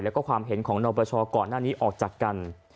แล้วก็ความเห็นของนปชก่อนหน้านี้ออกจากกัน